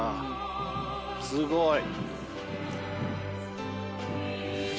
すごい！